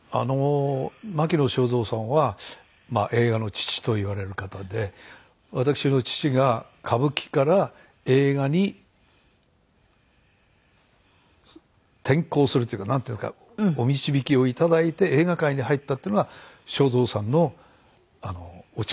牧野省三さんは映画の父と言われる方で私の父が歌舞伎から映画に転向するっていうかなんていうかお導きを頂いて映画界に入ったっていうのが省三さんのお力なんですよね。